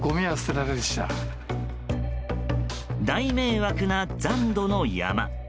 大迷惑な残土の山。